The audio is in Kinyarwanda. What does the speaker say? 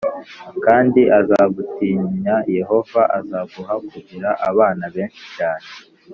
kandi azagutinyayehova azaguha kugira abana benshi cyane,+